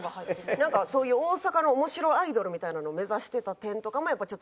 なんかそういう大阪のおもしろアイドルみたいなのを目指してた点とかもやっぱりちょっとやや信用できない。